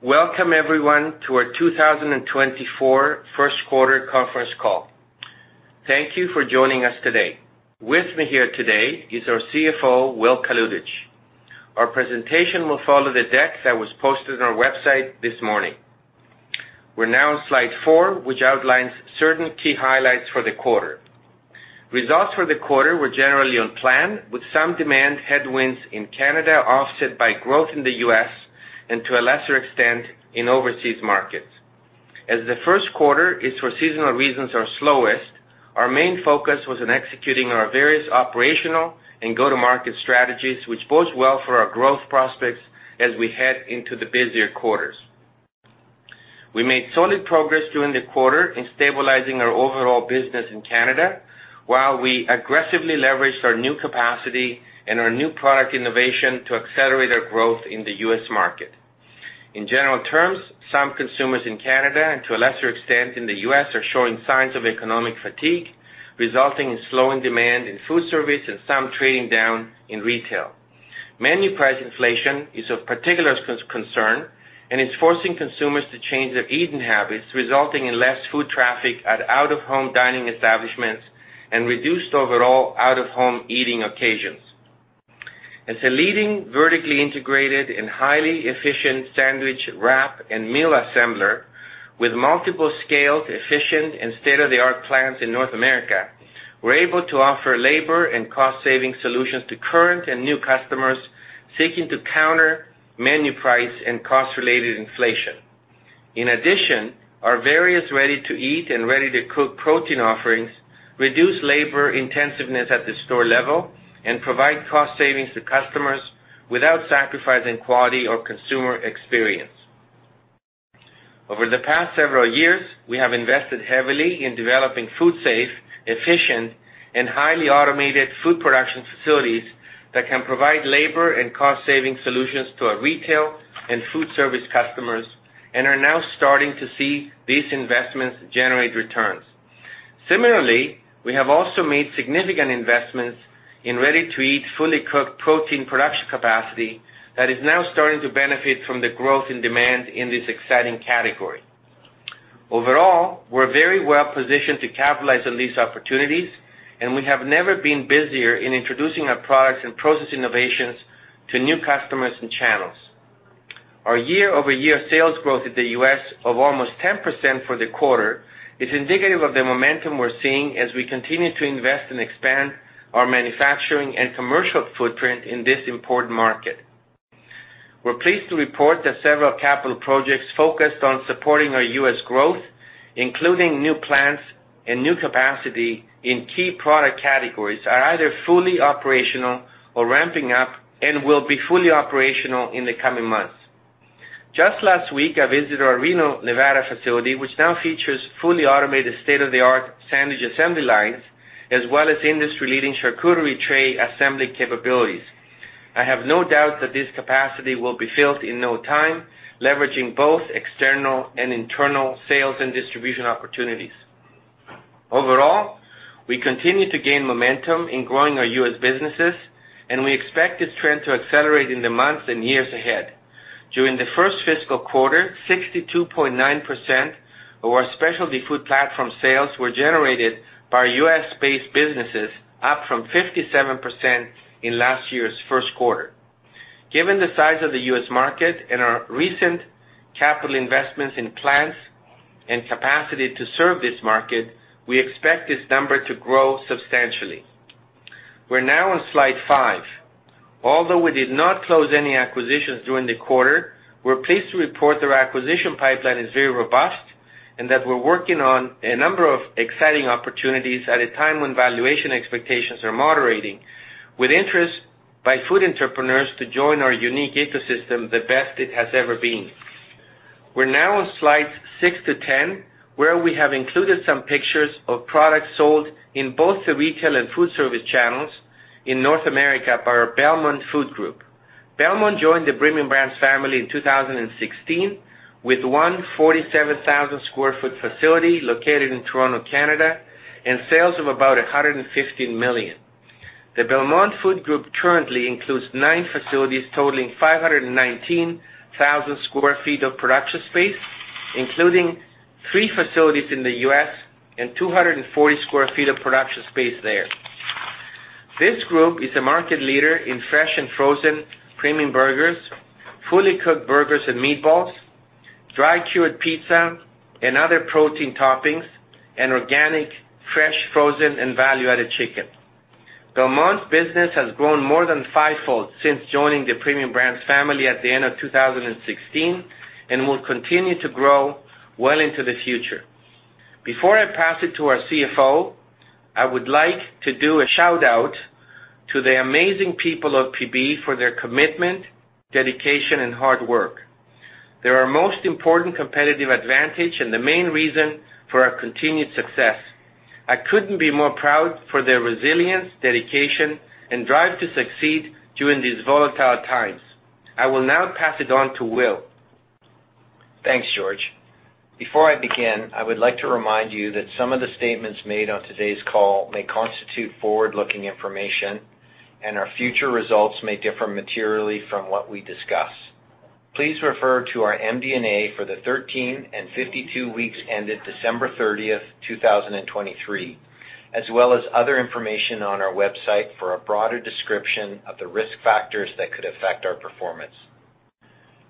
Welcome everyone to our 2024 first quarter conference call. Thank you for joining us today. With me here today is our CFO, Will Kalutycz. Our presentation will follow the deck that was posted on our website this morning. We're now on slide 4, which outlines certain key highlights for the quarter. Results for the quarter were generally on plan, with some demand headwinds in Canada, offset by growth in the U.S. and to a lesser extent, in overseas markets. As the first quarter is, for seasonal reasons, our slowest, our main focus was on executing our various operational and go-to-market strategies, which bodes well for our growth prospects as we head into the busier quarters. We made solid progress during the quarter in stabilizing our overall business in Canada, while we aggressively leveraged our new capacity and our new product innovation to accelerate our growth in the U.S. market. In general terms, some consumers in Canada, and to a lesser extent in the U.S., are showing signs of economic fatigue, resulting in slowing demand in food service and some trading down in retail. Menu price inflation is of particular concern, and it's forcing consumers to change their eating habits, resulting in less foot traffic at out-of-home dining establishments and reduced overall out-of-home eating occasions. As a leading, vertically integrated and highly efficient sandwich, wrap, and meal assembler, with multiple scaled, efficient and state-of-the-art plants in North America, we're able to offer labor and cost-saving solutions to current and new customers seeking to counter menu price and cost-related inflation. In addition, our various ready-to-eat and ready-to-cook protein offerings reduce labor intensiveness at the store level and provide cost savings to customers without sacrificing quality or consumer experience. Over the past several years, we have invested heavily in developing food-safe, efficient, and highly automated food production facilities that can provide labor and cost-saving solutions to our retail and food service customers, and are now starting to see these investments generate returns. Similarly, we have also made significant investments in ready-to-eat, fully cooked protein production capacity that is now starting to benefit from the growth in demand in this exciting category. Overall, we're very well positioned to capitalize on these opportunities, and we have never been busier in introducing our products and process innovations to new customers and channels. Our year-over-year sales growth in the U.S. of almost 10% for the quarter is indicative of the momentum we're seeing as we continue to invest and expand our manufacturing and commercial footprint in this important market. We're pleased to report that several capital projects focused on supporting our U.S. growth, including new plants and new capacity in key product categories, are either fully operational or ramping up and will be fully operational in the coming months. Just last week, I visited our Reno, Nevada facility, which now features fully automated state-of-the-art sandwich assembly lines, as well as industry-leading charcuterie tray assembly capabilities. I have no doubt that this capacity will be filled in no time, leveraging both external and internal sales and distribution opportunities. Overall, we continue to gain momentum in growing our U.S. businesses, and we expect this trend to accelerate in the months and years ahead. During the first fiscal quarter, 62.9% of our specialty food platform sales were generated by our U.S.-based businesses, up from 57% in last year's first quarter. Given the size of the U.S. market and our recent capital investments in plants and capacity to serve this market, we expect this number to grow substantially. We're now on slide 5. Although we did not close any acquisitions during the quarter, we're pleased to report that our acquisition pipeline is very robust, and that we're working on a number of exciting opportunities at a time when valuation expectations are moderating, with interest by food entrepreneurs to join our unique ecosystem, the best it has ever been. We're now on slides 6-10, where we have included some pictures of products sold in both the retail and food service channels in North America by our Belmont Food Group. Belmont joined the Premium Brands family in 2016, with 147,000 sq ft facility located in Toronto, Canada, and sales of about $ 115 million. The Belmont Food Group currently includes nine facilities, totaling 519,000 sq ft of production space, including three facilities in the U.S. and 240 sq ft of production space there. This group is a market leader in fresh and frozen premium burgers, fully cooked burgers and meatballs, dry-cured pizza and other protein toppings, and organic, fresh, frozen, and value-added chicken. Belmont's business has grown more than fivefold since joining the Premium Brands family at the end of 2016, and will continue to grow well into the future. Before I pass it to our CFO, I would like to do a shout-out to the amazing people of PB for their commitment, dedication, and hard work. They're our most important competitive advantage and the main reason for our continued success. I couldn't be more proud for their resilience, dedication, and drive to succeed during these volatile times. I will now pass it on to Will. Thanks, George. Before I begin, I would like to remind you that some of the statements made on today's call may constitute forward-looking information, and our future results may differ materially from what we discuss. Please refer to our MD&A for the 13 and 52 weeks ended December 30, 2023, as well as other information on our website for a broader description of the risk factors that could affect our performance.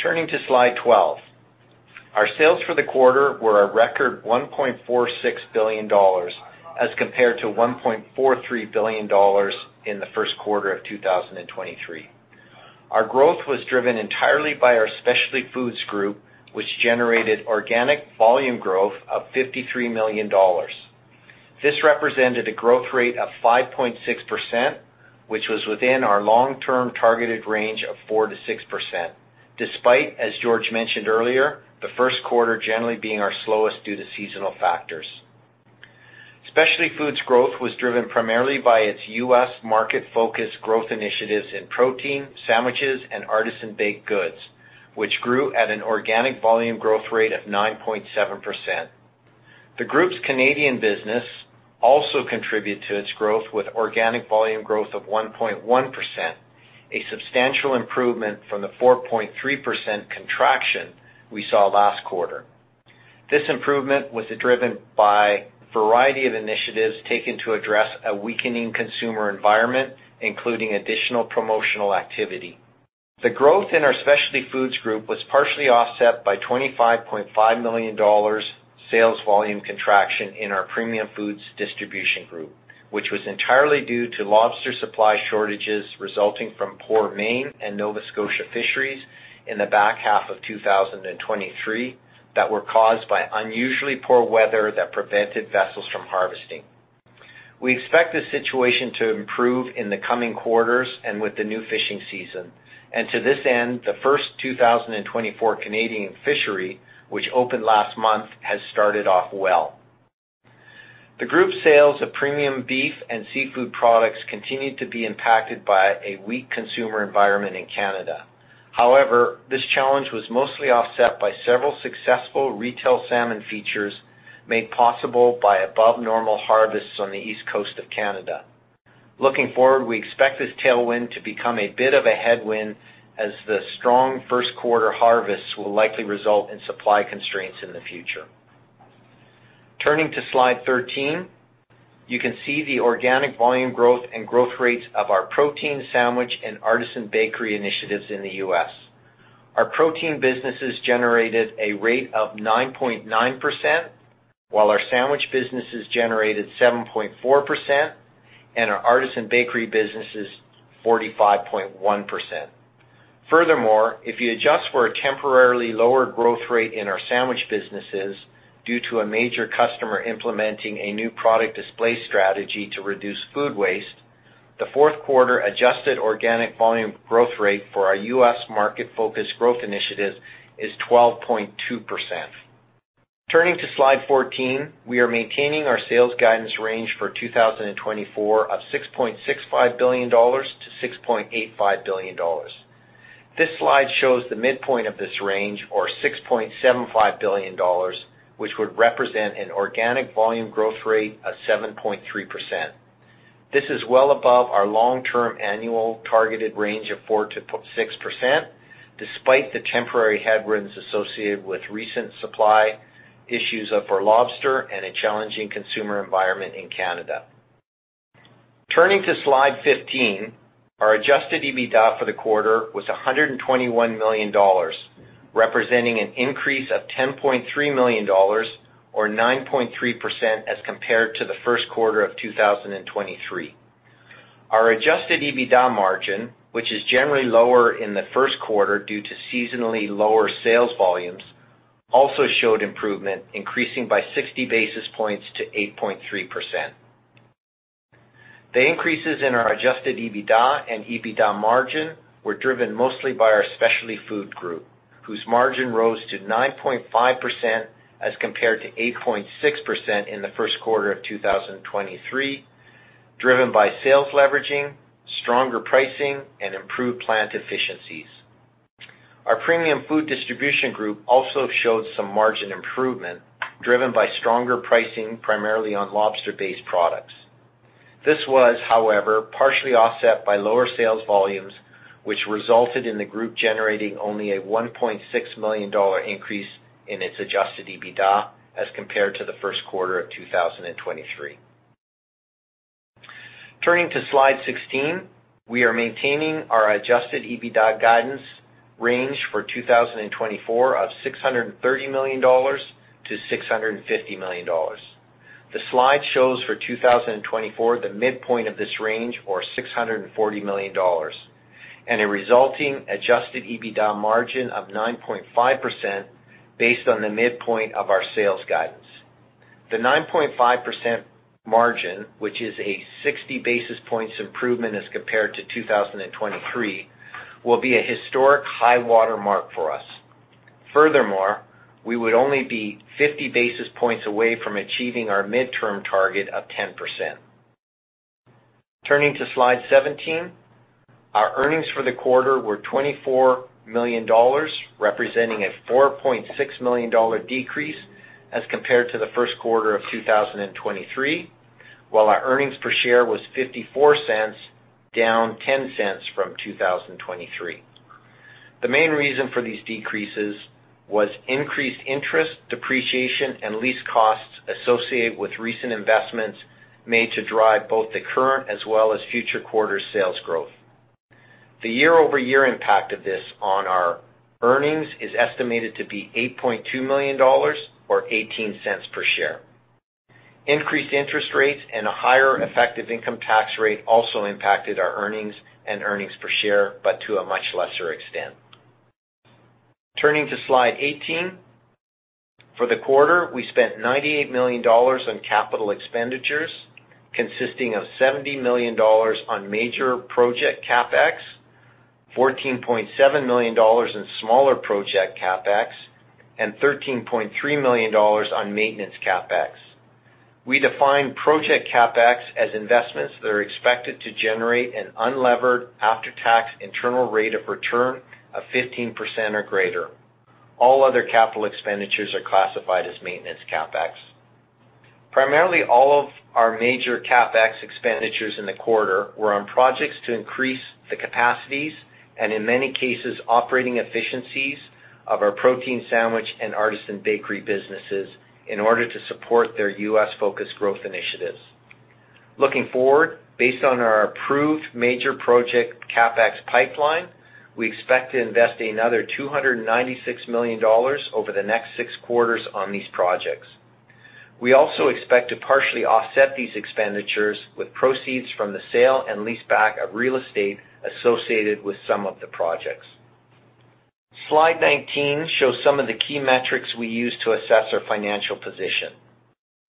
Turning to Slide 12, our sales for the quarter were a record $1.46 billion, as compared to $1.43 billion in the first quarter of 2023. Our growth was driven entirely by our Specialty Foods Group, which generated organic volume growth of $53 million. This represented a growth rate of 5.6%, which was within our long-term targeted range of 4%-6%, despite, as George mentioned earlier, the first quarter generally being our slowest due to seasonal factors. Specialty Foods growth was driven primarily by its U.S. market-focused growth initiatives in protein, sandwiches, and artisan baked goods, which grew at an organic volume growth rate of 9.7%. The group's Canadian business also contributed to its growth, with organic volume growth of 1.1%, a substantial improvement from the 4.3% contraction we saw last quarter. This improvement was driven by a variety of initiatives taken to address a weakening consumer environment, including additional promotional activity. The growth in our Specialty Foods Group was partially offset by $25.5 million sales volume contraction in our Premium Food Distribution Group, which was entirely due to lobster supply shortages resulting from poor Maine and Nova Scotia fisheries in the back half of 2023 that were caused by unusually poor weather that prevented vessels from harvesting. We expect this situation to improve in the coming quarters and with the new fishing season. And to this end, the first 2024 Canadian fishery, which opened last month, has started off well. The group's sales of premium beef and seafood products continued to be impacted by a weak consumer environment in Canada. However, this challenge was mostly offset by several successful retail salmon features made possible by above-normal harvests on the East Coast of Canada. Looking forward, we expect this tailwind to become a bit of a headwind, as the strong first quarter harvests will likely result in supply constraints in the future. Turning to Slide 13, you can see the organic volume growth and growth rates of our protein, sandwich, and artisan bakery initiatives in the U.S. Our protein businesses generated a rate of 9.9%, while our sandwich businesses generated 7.4%, and our artisan bakery businesses, 45.1%. Furthermore, if you adjust for a temporarily lower growth rate in our sandwich businesses due to a major customer implementing a new product display strategy to reduce food waste, the fourth quarter adjusted organic volume growth rate for our U.S. market-focused growth initiative is 12.2%. Turning to Slide 14, we are maintaining our sales guidance range for 2024 of $ 6.65 billion-$ 6.85 billion. This slide shows the midpoint of this range, or $ 6.75 billion, which would represent an organic volume growth rate of 7.3%. This is well above our long-term annual targeted range of 4%-6%, despite the temporary headwinds associated with recent supply issues of our lobster and a challenging consumer environment in Canada. Turning to Slide 15, our Adjusted EBITDA for the quarter was $ 121 million, representing an increase of $ 10.3 million or 9.3% as compared to the first quarter of 2023. Our Adjusted EBITDA margin, which is generally lower in the first quarter due to seasonally lower sales volumes, also showed improvement, increasing by 60 basis points to 8.3%. The increases in our Adjusted EBITDA and EBITDA margin were driven mostly by our Specialty Foods Group, whose margin rose to 9.5% as compared to 8.6% in the first quarter of 2023, driven by sales leveraging, stronger pricing, and improved plant efficiencies. Our Premium Food Distribution Group also showed some margin improvement, driven by stronger pricing, primarily on lobster-based products. This was, however, partially offset by lower sales volumes, which resulted in the group generating only a $ 1.6 million increase in its adjusted EBITDA as compared to the first quarter of 2023. Turning to Slide 16, we are maintaining our adjusted EBITDA guidance range for 2024 of $ 630 million-$ 650 million. The slide shows for 2024, the midpoint of this range, or $ 640 million, and a resulting adjusted EBITDA margin of 9.5% based on the midpoint of our sales guidance. The 9.5% margin, which is a 60 basis points improvement as compared to 2023, will be a historic high water mark for us. Furthermore, we would only be 50 basis points away from achieving our midterm target of 10%.... Turning to slide 17, our earnings for the quarter were $ 24 million, representing a $ 4.6 million dollar decrease as compared to the first quarter of 2023, while our earnings per share was $ 0.54, down $ 0.10 from 2023. The main reason for these decreases was increased interest, depreciation, and lease costs associated with recent investments made to drive both the current as well as future quarter sales growth. The year-over-year impact of this on our earnings is estimated to be $ 8.2 million or $ 0.18 per share. Increased interest rates and a higher effective income tax rate also impacted our earnings and earnings per share, but to a much lesser extent. Turning to slide 18, for the quarter, we spent $ 98 million on capital expenditures, consisting of $ 70 million on major project CapEx, $ 14.7 million in smaller project CapEx, and $ 13.3 million on maintenance CapEx. We define project CapEx as investments that are expected to generate an unlevered after-tax internal rate of return of 15% or greater. All other capital expenditures are classified as maintenance CapEx. Primarily, all of our major CapEx expenditures in the quarter were on projects to increase the capacities, and in many cases, operating efficiencies of our protein sandwich and artisan bakery businesses in order to support their U.S.-focused growth initiatives. Looking forward, based on our approved major project CapEx pipeline, we expect to invest another $ 296 million over the next six quarters on these projects. We also expect to partially offset these expenditures with proceeds from the sale and lease back of real estate associated with some of the projects. Slide 19 shows some of the key metrics we use to assess our financial position.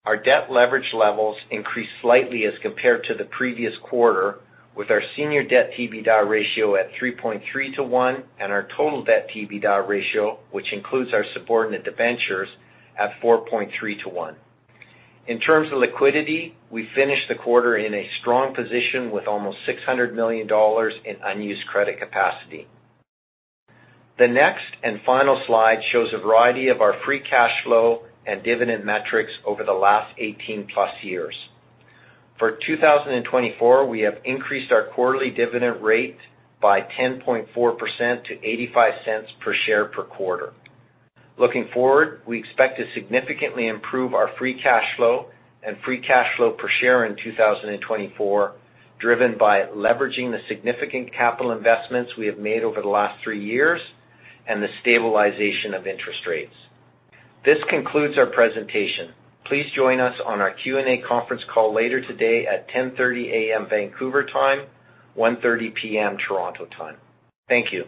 Our debt leverage levels increased slightly as compared to the previous quarter, with our senior debt to EBITDA ratio at 3.3 to 1, and our total debt to EBITDA ratio, which includes our subordinate debentures, at 4.3 to 1. In terms of liquidity, we finished the quarter in a strong position with almost $ 600 million in unused credit capacity. The next and final slide shows a variety of our free cash flow and dividend metrics over the last 18+ years. For 2024, we have increased our quarterly dividend rate by 10.4% to $ 0.85 per share per quarter. Looking forward, we expect to significantly improve our free cash flow and free cash flow per share in 2024, driven by leveraging the significant capital investments we have made over the last three years and the stabilization of interest rates. This concludes our presentation. Please join us on our Q&A conference call later today at 10:30 A.M., Vancouver time, 1:30 P.M., Toronto time. Thank you.